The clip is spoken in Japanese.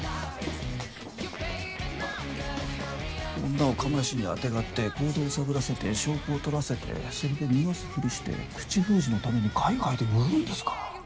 女を釜石にあてがって行動を探らせて証拠を撮らせてそれで逃がすふりして口封じのために海外で売るんですか。